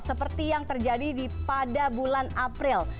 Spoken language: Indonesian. seperti yang terjadi pada bulan april